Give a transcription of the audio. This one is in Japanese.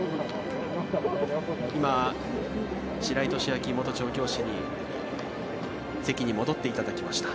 今、白井寿昭元調教師に席に戻っていただきました。